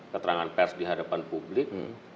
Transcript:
keterangan pers di hadapan publik